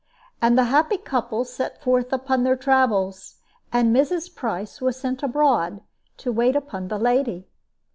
And the happy couple set forth upon their travels, and Mrs. Price was sent abroad to wait upon the lady.